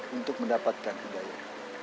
untuk mendapatkan hidayah